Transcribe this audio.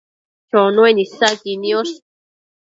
Chonuen isaqui niosh